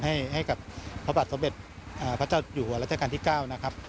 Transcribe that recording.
ให้กับพระบาทสมเด็จพระเจ้าอยู่หัวรัชกาลที่๙นะครับ